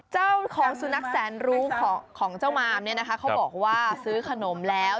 เจ้าของสุนัขแสนรู้ของเจ้ามามเนี่ยนะคะเขาบอกว่าซื้อขนมแล้ว